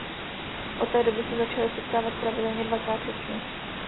Od té doby se začali setkávat pravidelně dvakrát ročně.